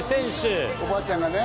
おばあちゃんがね。